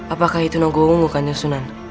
apakah itu nogowungu kanjeng sunan